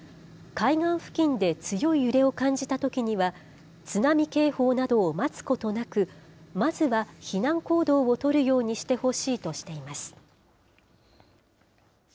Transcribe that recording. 海岸付近で強い揺れを感じたときには、津波警報などを待つことなく、まずは避難行動を取るようにしてほしいとしています。